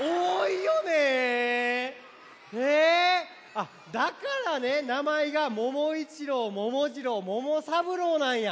あっだからねなまえがももいちろうももじろうももさぶろうなんや。